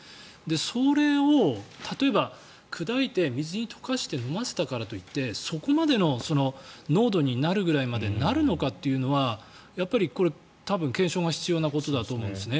それを例えば砕いて水に溶かして飲ませたからといってそこまでの濃度になるぐらいまでなるのかっていうのはやっぱりこれ、多分検証が必要なことだと思うんですね。